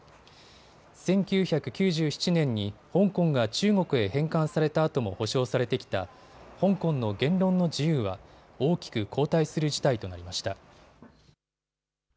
１９９７年に香港が中国へ返還されたあとも保障されてきた香港の言論の自由は大きく後退する事態となりました。